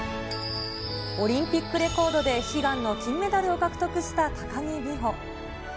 オリンピックレコードで悲願の金メダルを獲得した高木美帆。